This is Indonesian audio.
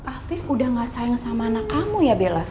afif udah gak sayang sama anak kamu ya bella